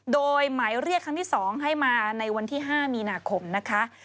โดยหมายเรียกครั้งที่๒ให้มาในวันที่๕มีนาคมนะคะ